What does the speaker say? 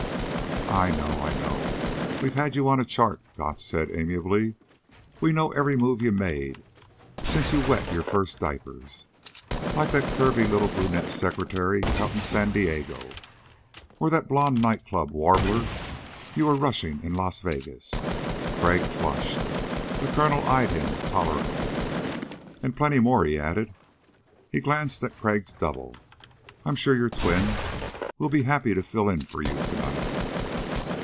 "I know ... I know, we have you on a chart," Gotch said amiably. "We know every move you've made since you wet your first diapers. Like that curvy little brunette secretary out in San Diego, or that blonde night club warbler you were rushing in Las Vegas." Crag flushed. The Colonel eyed him tolerantly. "And plenty more," he added. He glanced at Crag's double. "I'm sure your twin will be happy to fill in for you tonight."